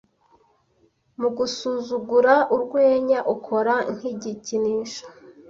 mu gusuzugura urwenya ukora nk'igikinisho